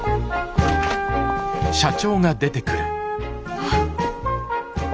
あっ。